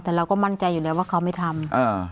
แต่เราก็มั่นใจอยู่แล้วว่าเขาไม่ทำ